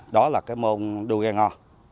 đó là cái môn đua gan ho